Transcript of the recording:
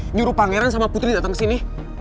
nyuruh pangeran sama putri datang ke sini